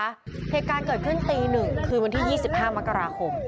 เหตุการณ์เกิดขึ้นตี๑คืนวันที่๒๕มกราคม